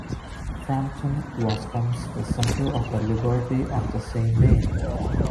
Frampton was once the centre of a Liberty of the same name.